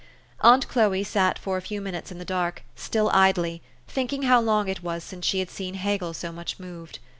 Aunt Chloe sat for a few minutes in the dark, still idly, thinking how long it was since she had seen Hegel so much moved.